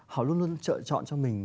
họ luôn luôn chọn cho mình